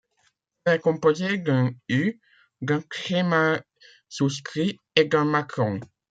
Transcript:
Elle est composée d’un U, d’un tréma souscrit et d’un macron.